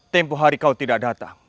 tempo hari kau tidak datang